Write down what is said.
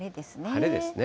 晴れですね。